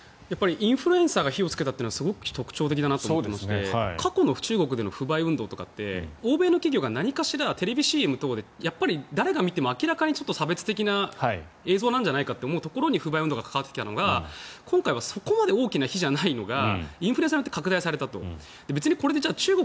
インフルエンサーが火をつけたのは特徴的だなと思っていまして過去の中国の不買運動って欧米の企業が何かしらテレビＣＭ等で誰が見ても明らかに差別的な映像なんじゃないかというところに不買運動が関わってきたのが今回はそこまで大きな火じゃないのがインフルエンサーによって拡大された。